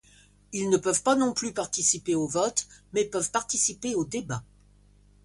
Ils ne peuvent pas non plus participer aux votes, mais peuvent participer aux débats.